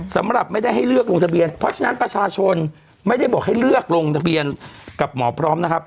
สำหรับไม่ได้ให้เลือกลงทะเบียนเพราะฉะนั้นประชาชนไม่ได้บอกให้เลือกลงทะเบียนกับหมอพร้อมนะครับ